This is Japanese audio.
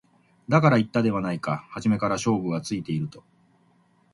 だから言ったではないか初めから勝負はついていると